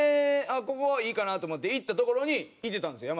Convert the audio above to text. ここいいかなと思って行った所にいてたんですよ